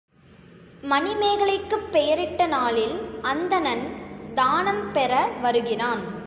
மணிமேகலைக்குப் பெயரிட்ட நாளில் அந்தணன் தானம் பெற வருகிறான்.